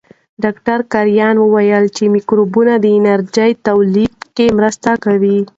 ډاکټر کرایان وویل چې مایکروبونه د انرژۍ تولید کې مرسته کوي.